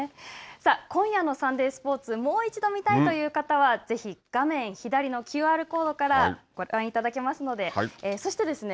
さあ今夜のサンデースポーツもう一度見たいという方はぜひ画面左のＱＲコードからご覧いただけますのでそしてですね